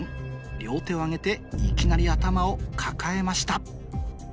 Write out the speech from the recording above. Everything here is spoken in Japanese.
両手を上げていきなり頭を抱えました